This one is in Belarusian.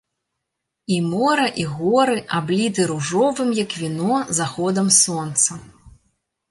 І мора, і горы абліты ружовым, як віно, заходам сонца.